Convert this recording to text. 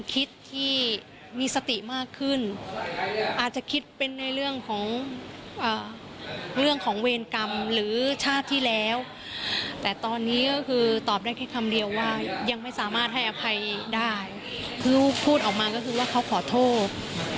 คือเขาขอโทษ